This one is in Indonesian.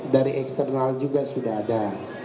dari eksternal juga sudah ada